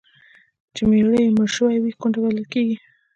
چي میړه یې مړ سوی وي، کونډه بلل کیږي.